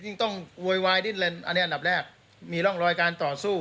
ยิ่งต้องโวยวายดิ้นเลนอันนี้อันดับแรกมีร่องรอยการต่อสู้